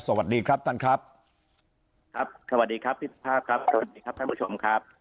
สวัสดีครับท่านครับครับสวัสดีครับพี่สุภาพครับสวัสดีครับท่านผู้ชมครับ